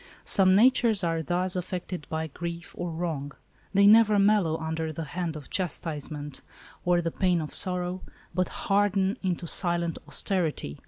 Some natures are thus affected by grief or wrong. They never mellow under the hand of chastise ment or the pain of sorrow, but harden into silent austerity.